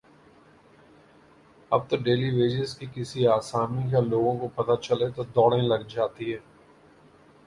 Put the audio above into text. اب تو daily wages کی کسی آسامی کا لوگوں کو پتہ چلے تو دوڑیں لگ جاتی ہیں۔